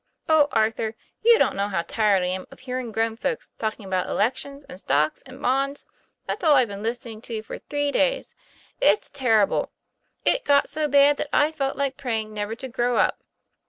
O Arthur, you don't know how tired I am of hearing grown folks talking about elections and stocks and bonds. That's all I've been listening to for three days. It's terrible. It got so bad that I felt like praying never to grow up."